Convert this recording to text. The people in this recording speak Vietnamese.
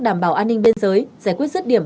đảm bảo an ninh biên giới giải quyết rứt điểm